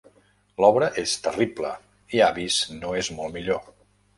L'obra és terrible i Avice no és molt millor.